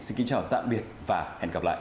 xin kính chào tạm biệt và hẹn gặp lại